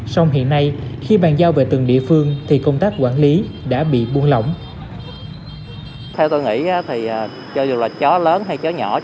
xong hiện nay khi bàn giao về từng địa phương thì công tác quản lý đã bị buôn lỏng